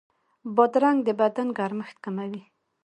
بادرنګ د بدن ګرمښت کموي.